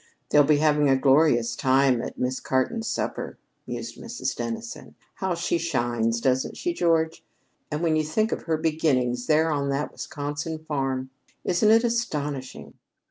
"They'll be having a glorious time at Miss Cartan's supper," mused Mrs. Dennison. "How she shines, doesn't she, George? And when you think of her beginnings there on that Wisconsin farm, isn't it astonishing?"